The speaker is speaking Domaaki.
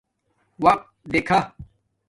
وقت دیکھا